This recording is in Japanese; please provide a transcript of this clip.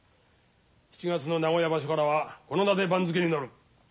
７月の名古屋場所からはこの名で番付に載る。